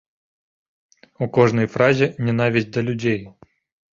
У кожнай фразе нянавісць да людзей.